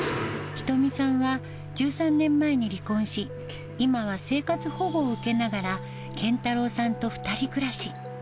仁美さんは１３年前に離婚し、今は生活保護を受けながら、謙太郎さんと２人暮らし。